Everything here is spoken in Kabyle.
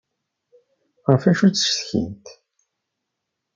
Ɣef wacu d-ttcetkint?